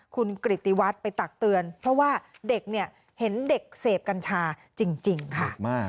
คุณกริตติวัฒน์ไปตักเตือนเพราะว่าเด็กเนี่ยเห็นเด็กเสพกัญชาจริงค่ะ